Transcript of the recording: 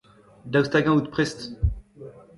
Daoust hag-eñ out prest ?